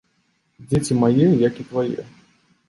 Дзеці мае, як і твае.